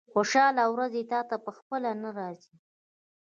خوشاله ورځې تاته په خپله نه راځي.